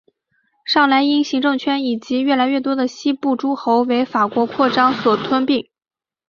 上莱茵行政圈以及越来越多的西部诸侯为法国扩张所吞并。